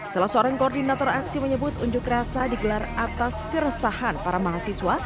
salah seorang koordinator aksi menyebut unjuk rasa digelar atas keresahan para mahasiswa